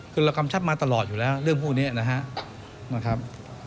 คือเรากำชับมาตลอดอยู่แล้วเรื่องพวกนี้นะครับ